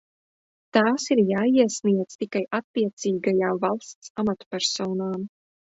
Tās ir jāiesniedz tikai attiecīgajām valsts amatpersonām.